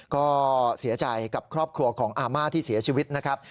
ก็เสียใจกับครอบครัวของอาม่าที่เสียชีวิตนะครับ